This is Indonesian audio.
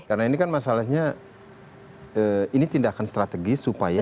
karena ini kan masalahnya ini tindakan strategis supaya